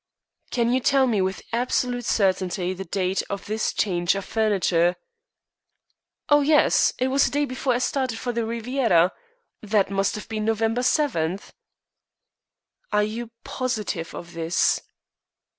"Can you tell me with absolute certainty the date of this change of the furniture?" "Oh yes. It was the day before I started for the Riviera; that must have been November 7." "Are you positive of this?"